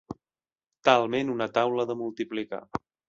Talment una taula de multiplicar.